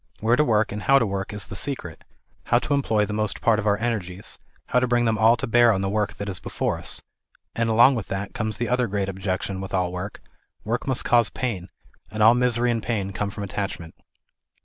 Where to work and how to work is the secret, how to eir>ploy the most part of our energies, how to bring them all to bear on the work that is before us ; and along with that comes the other great ob jection with all work ŌĆö work must cause pain, and all misery and pain come from attachment.